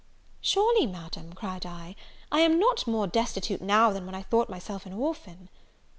"Surely, Madam," cried I, "I am not more destitute now than when I thought myself an orphan."